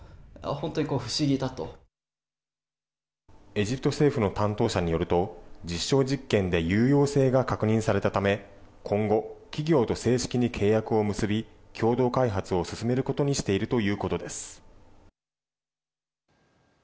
エジプト政府の担当者によると実証実験で有用性が確認されたため今後、企業と正式に契約を結び共同開発を進めることにしているということです。